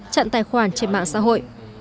chặn tài khoản trên mạng xã hội